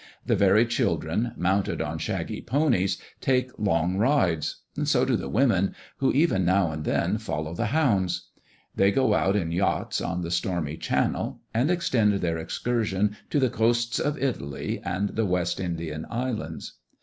The very children, mounted on shaggy ponies, take long rides; so do the women, who even now and then follow the hounds. They go out in yachts on the stormy channel and extend their excursions to the coasts of Italy and the West Indian islands.